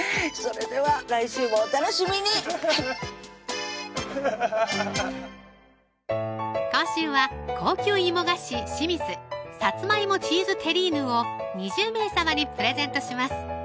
それでは来週もお楽しみに今週は高級芋菓子しみず「さつま芋チーズテリーヌ」を２０名様にプレゼントします